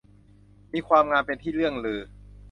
มีความงามเป็นที่เลื่องลือ